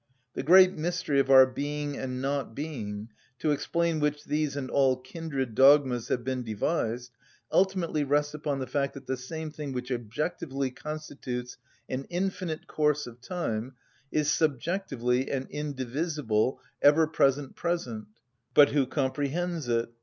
The great mystery of our being and not being, to explain which these and all kindred dogmas have been devised, ultimately rests upon the fact that the same thing which objectively constitutes an infinite course of time is subjectively an indivisible, ever present present: but who comprehends it?